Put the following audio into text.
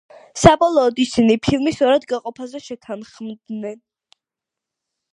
საბოლოოდ ისინი ფილმის ორად გაყოფაზე შეთანხმდნენ.